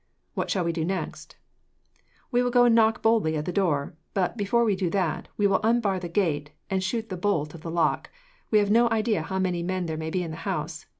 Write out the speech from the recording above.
"What shall we do next?" "We will go and knock boldly at the door; but before we do that, we will unbar the gate and shoot the bolt of the lock. We have no idea how many men there may be in the house.